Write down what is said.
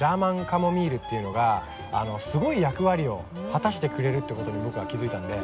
カモミールっていうのがすごい役割を果たしてくれるって事に僕は気付いたんで。